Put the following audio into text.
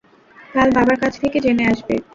কাল বাবার কাছ থেকে জেনে আসবে।